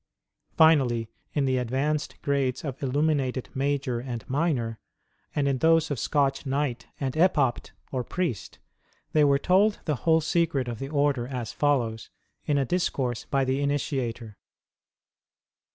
Finally, in the advanced grades of Illuminated Major and Minor, and in those of Scotch Knight and Epopte or Priest they were told the whole secret of the Order as follows, in a discourse by the initiator.